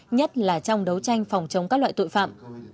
nhất là trong đấu tranh phòng chống các loại tội phạm